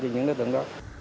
cho những đối tượng đó